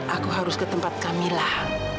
aku harus ke tempat kamilah